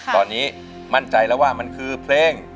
ตอนนี้มั่นใจแล้วว่ามันคือเพลง